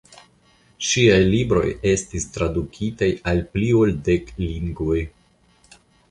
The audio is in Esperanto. Ŝiaj libroj estis tradukitaj al pli ol dek lingvoj.